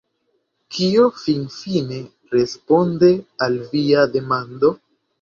Kio finfine responde al via demando?